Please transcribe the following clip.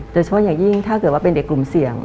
เฉพาะอย่างยิ่งถ้าเกิดว่าเป็นเด็กกลุ่มเสี่ยง